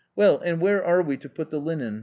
Well, and where are we to put the linen ?